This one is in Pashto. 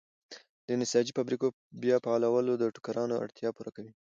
د نساجۍ فابریکو بیا فعالول د ټوکرانو اړتیا پوره کوي.